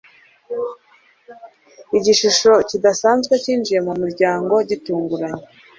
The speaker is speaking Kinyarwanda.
Igishusho kidasanzwe cyinjiye mu muryango gitunguranye.